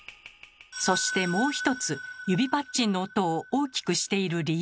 そしてもうひとつ指パッチンの音を大きくしている理由が。